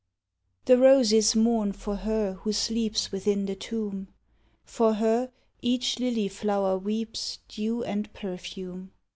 The roses mourn for her who sleeps Within the tomb; For her each lily flower weeps Dew and perfume.